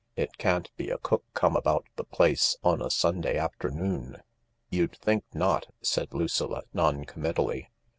" It can't be a cook come about the place, on a Sunday afternoon." " You'd think not," said Lucilla, noncommittally.